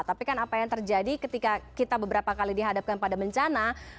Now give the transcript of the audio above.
tapi kan apa yang terjadi ketika kita beberapa kali dihadapkan pada bencana